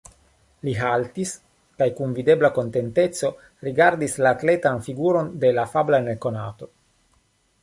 Li haltis kaj kun videbla kontenteco rigardis la atletan figuron de la afabla nekonato.